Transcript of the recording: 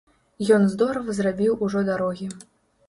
Ён здорава зрабіў ужо дарогі.